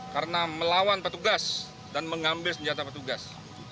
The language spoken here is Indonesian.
karena melawan petugas dan mengambil senjata petugas